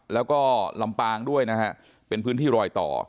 แล้วก็ลำปางด้วยนะฮะเป็นพื้นที่รอยต่อ